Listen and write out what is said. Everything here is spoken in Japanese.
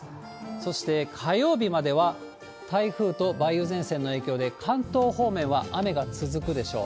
そして火曜日までは、台風と梅雨前線の影響で、関東方面は雨が続くでしょう。